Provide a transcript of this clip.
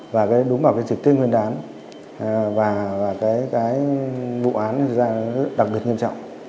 và đúng vào trực tiên nguyên đán vụ án ra đặc biệt nghiêm trọng